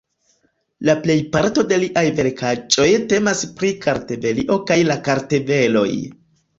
La plejparto de liaj verkaĵoj temas pri Kartvelio kaj la kartveloj.